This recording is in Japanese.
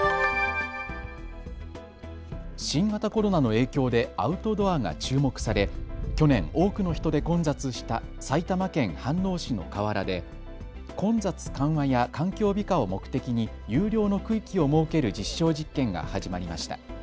新型コロナの影響でアウトドアが注目され去年、多くの人で混雑した埼玉県飯能市の河原で混雑緩和や環境美化を目的に有料の区域を設ける実証実験が始まりました。